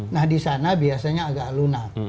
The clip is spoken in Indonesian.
nah di sana biasanya agak lunak